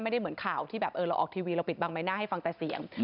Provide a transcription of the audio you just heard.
ไม่ได้เหมือนข่าวที่แบบเออเราออกทีวีเราปิดบังใบหน้าให้ฟังแต่เสียง